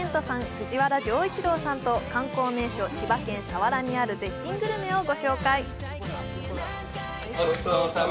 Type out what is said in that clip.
藤原丈一郎さんと観光名所・千葉県佐原にある絶品グルメをご紹介。